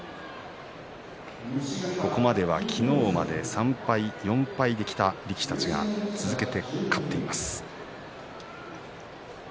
ここまでは、昨日まで３敗４敗できた力士が続けて勝っています。